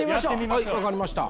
はい分かりました。